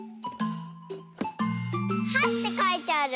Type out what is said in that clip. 「は」ってかいてある。